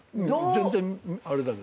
全然あれだけど。